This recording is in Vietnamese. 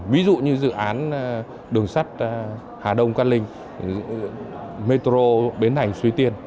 ví dụ như dự án đường sắt hà đông ca linh metro bến thành xuy tiên